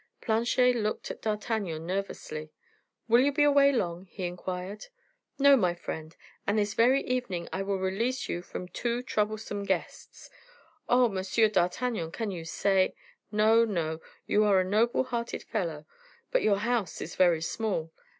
Planchet looked at D'Artagnan nervously. "Will you be away long?" he inquired. "No, my friend; and this very evening I will release you from two troublesome guests." "Oh! Monsieur d'Artagnan! can you say " "No, no; you are a noble hearted fellow, but your house is very small.